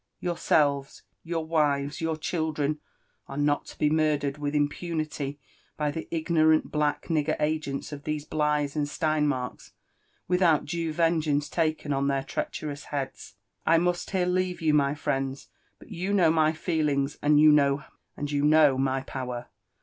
Yourselves, your wives, your children are not to be murdered with impunity by the ignorant black nigger agents of these Blighs and Steinmirks, without due vengeance taken on llieir treacherous heads. — I must here leave you, my friends; but you know my feelings, and you know my power.